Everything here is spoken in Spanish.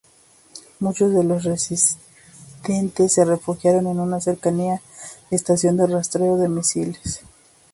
Muchos de los residentes se refugiaron en una cercana estación de rastreo de misiles.